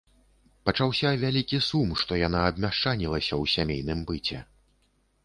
Пачаўся вялікі сум, што яна абмяшчанілася ў сямейным быце.